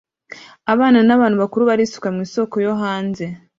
Abana n'abantu bakuru barisuka mu isoko yo hanze